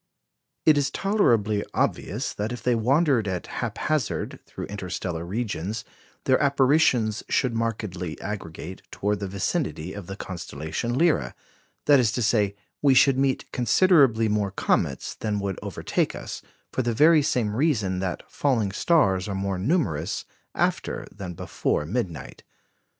It is tolerably obvious that if they wander at haphazard through interstellar regions their apparitions should markedly aggregate towards the vicinity of the constellation Lyra; that is to say, we should meet considerably more comets than would overtake us, for the very same reason that falling stars are more numerous after than before midnight.